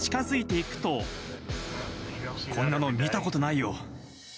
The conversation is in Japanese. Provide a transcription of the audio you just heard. こんなの見たことないよ。